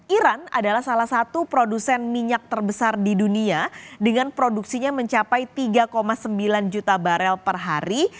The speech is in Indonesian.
iran adalah salah satu produsen minyak terbesar di dunia dengan produksinya mencapai tiga sembilan juta barel per hari